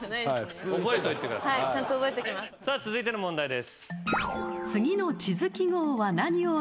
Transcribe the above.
続いての問題です。